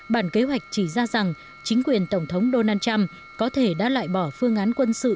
bản kế hoạch chỉ ra rằng chính quyền tổng thống donald trump có thể đã loại bỏ phương án quân sự